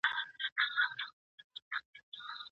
ښوروا بې پیازه نه پخېږي.